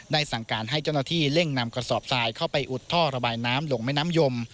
สั่งการให้เจ้าหน้าที่เร่งนำกระสอบทรายเข้าไปอุดท่อระบายน้ำลงแม่น้ำยม